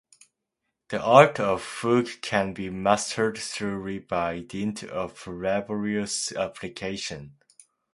The art of fugue can be mastered thoroughly by dint of laborious application.